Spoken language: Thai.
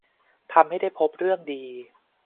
ทำให้ได้พบเรื่องดี